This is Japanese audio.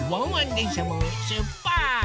でんしゃもしゅっぱつ！